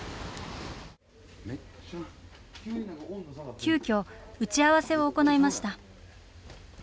急きょ、打ち合わせを行いました。